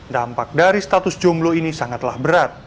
dampak dari status jomblo ini sangatlah berat